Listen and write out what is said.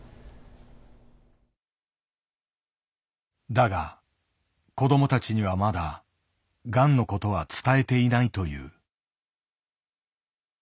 だが子どもたちにはまだがんのことは伝えていないという。